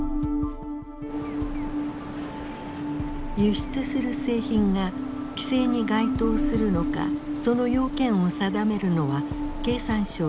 輸出する製品が規制に該当するのかその要件を定めるのは経産省の役割だ。